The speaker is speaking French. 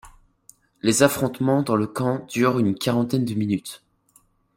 Les affrontements dans le camp durent une quarantaine de minutes.